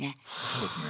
そうですね。